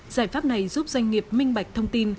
giải pháp này giúp doanh nghiệp minh bạch thông tin